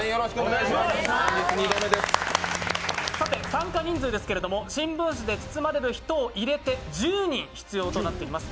参加人数ですけれども新聞紙を包まれる人を入れて１０人必要となっています。